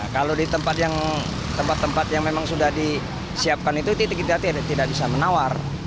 kalau di tempat yang memang sudah disiapkan itu tidak bisa menawar